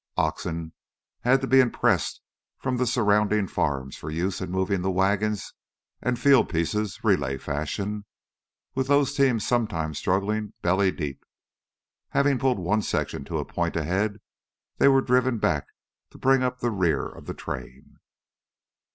Oxen had to be impressed from the surrounding farms for use in moving the wagons and fieldpieces relay fashion, with those teams sometimes struggling belly deep. Having pulled one section to a point ahead, they were driven back to bring up the rear of the train.